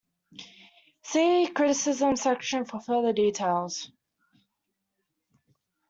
See Criticism Section for further details.